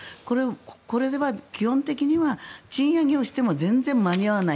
これは基本的には賃上げをしても全然間に合わない。